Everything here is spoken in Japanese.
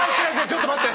ちょっと待って。